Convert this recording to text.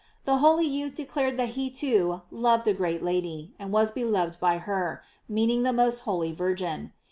The holy youth declared that he, too, loved a great lady, and was beloved by her, meaning the most holy Virgin.